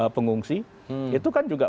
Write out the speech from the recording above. pengungsi itu kan juga